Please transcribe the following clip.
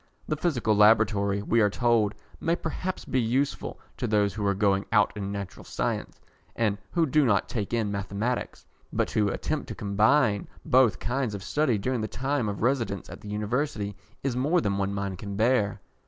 The Physical Laboratory, we are told, may perhaps be useful to those who are going out in Natural Science, and who do not take in Mathematics, but to attempt to combine both kinds of study during the time of residence at the University is more than one mind can bear.